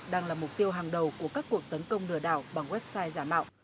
đang là mục tiêu hàng đầu của các cuộc tấn công lừa đảo bằng website giả mạo